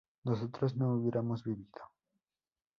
nosotros no hubiéramos vivido